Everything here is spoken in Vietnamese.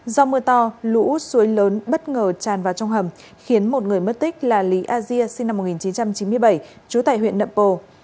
do mưa to lũ suối lớn bất ngờ tràn vào trong hầm khiến một người mất tích là lý asia sinh năm một nghìn chín trăm chín mươi bảy chú tại huyện nậm pồ